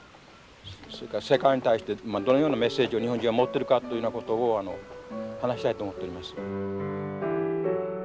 それから世界に対してどのようなメッセージを日本人は持ってるかというようなことを話したいと思っております。